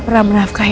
pulang ke rumah